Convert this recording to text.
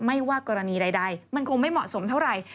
ไม่ว่ากรณีใดมันคงไม่เหมาะสมเท่าไหร่